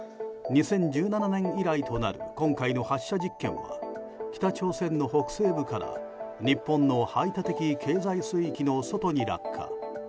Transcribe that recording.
２０１７年以来となる今回の発射実験は北朝鮮の北西部から日本の排他的経済水域の外に落下。